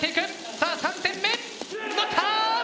さあ３点目乗った！